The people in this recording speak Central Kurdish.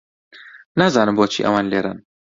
نازانم بۆچی ئەوان لێرەن.